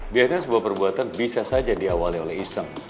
biasanya sebuah perbuatan bisa saja diawali oleh iseng